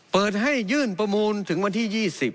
เปิดให้ยื่นประมูลถึงวันที่๒๐